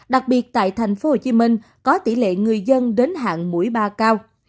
đặc biệt tại tp hcm có tỷ lệ người dân đến hạn mũi ba cao